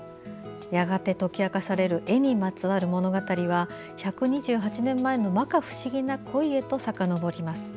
やがて解き明かされる絵にまつわる物語は１２８年前のまか不思議な恋へとさかのぼります。